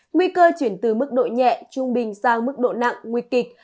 nguy cơ chuyển từ mức độ nhẹ trung bình sang mức độ nặng nguy kịch